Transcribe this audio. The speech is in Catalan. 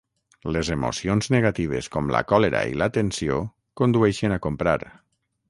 Les emocions negatives com la còlera i la tensió condueixen a comprar.